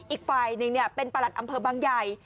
อีกฝ่ายหนึ่งเป็นประหลัดอำเภอบางใหญ่